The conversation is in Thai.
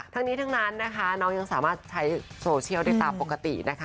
ทั้งนี้ทั้งนั้นน้องยังสามารถใช้โซเชียลในตาปกติ